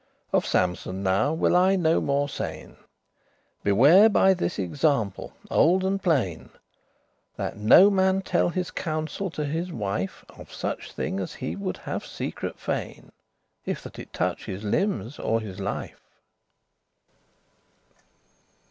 Of Sampson now will I no more sayn; Beware by this example old and plain, That no man tell his counsel to his wife Of such thing as he would *have secret fain,* *wish to be secret* If that it touch his limbes or his life.